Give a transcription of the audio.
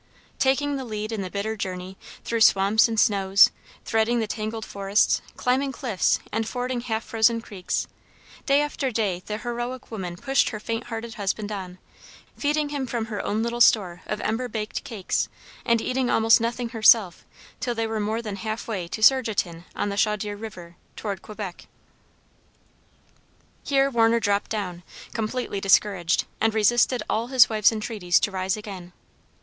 Taking the lead in the bitter journey, through swamps and snows, threading the tangled forests, climbing cliffs, and fording half frozen creeks, day after day the heroic woman pushed her faint hearted husband on, feeding him from her own little store of ember baked cakes, and eating almost nothing herself till they were more than half way to Sertigan on the Chaudiere river, toward Quebec. Here Warner dropped down, completely discouraged, and resisted all his wife's entreaties to rise again.